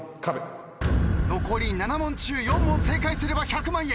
残り７問中４問正解すれば１００万円。